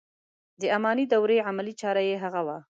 د اماني دورې عملي چاره یې هغه و.